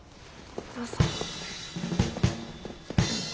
どうぞ。